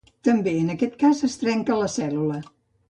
També en aquest cas es trenca la cèl·lula.